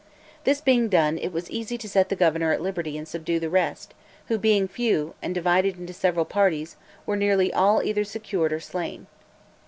This being done, it was easy to set the governor at liberty and subdue the rest, who being few, and divided into several parties, were nearly all either secured or slain.